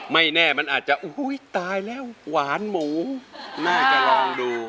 ไม่แน่มันอาจจะตายแล้วหวานหมูน่าจะลองดู